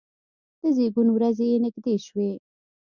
د زیږون ورځې یې نږدې شوې.